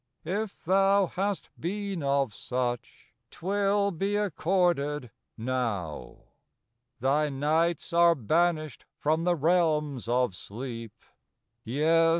if thou Hast been of such, 'twill be accorded now. Thy nights are banished from the realms of sleep: Yes!